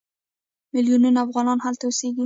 میلیونونه افغانان هلته اوسېږي.